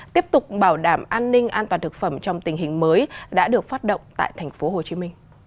tiếp tục bảo đảm an ninh an toàn thực phẩm trong tình hình mới đã được phát động tại tp hcm